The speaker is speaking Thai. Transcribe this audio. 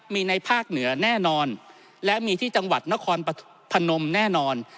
มีในภาคเหนือแน่นอนและมีที่จังหวัดนครพนมแน่นอน